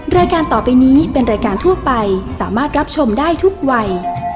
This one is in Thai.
รายการต่อไปนี้เป็นรายการทั่วไปสามารถรับชมได้ทุกวัย